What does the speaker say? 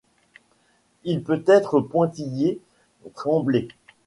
Il peut être pointillé, tremblé.